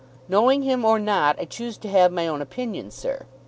"Knowing him or not I choose to have my own opinion, sir.